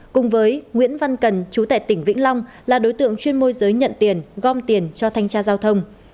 cùng với nguyễn văn cần chú tệ tỉnh vĩnh long là đối tượng chuyên môi giới nhận tiền gom tiền cho thanh tra giao thông